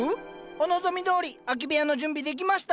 お望みどおり空き部屋の準備できました。